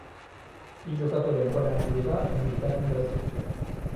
I giocatori ancora in attività sono indicati in grassetto.